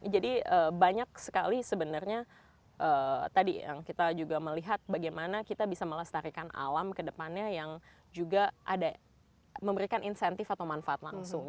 jadi banyak sekali sebenarnya tadi yang kita juga melihat bagaimana kita bisa melestarikan alam ke depannya yang juga ada memberikan insentif atau manfaat langsung